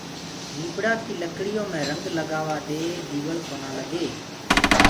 نيڀڙآ ڪي لڪڙيو ميڻ رنگ لگآرآ دي ديوݪڪونآ لگي